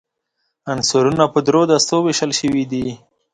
عنصرونه په درې دستو ویشل شوي دي.